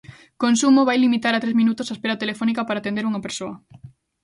Consumo vai limitar a tres minutos a espera telefónica para atender a unha persoa.